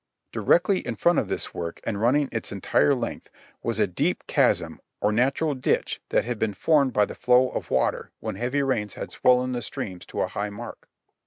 Directly in front of this work and running its entire length was a deep chasm or natural ditch that had been formed by the flow of water when heavy rains had swollen the streams to a high mark.